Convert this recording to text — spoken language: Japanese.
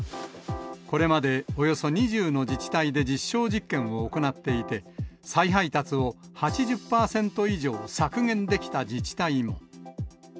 これまでおよそ２０の自治体で実証実験を行っていて、再配達を８０％以上削減できた自治体も。